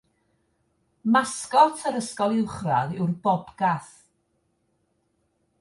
Masgot yr ysgol uwchradd yw'r Bobgath.